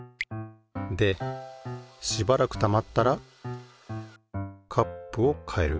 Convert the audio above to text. でしばらくたまったらカップをかえる。